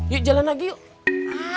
yuk jalan lagi yuk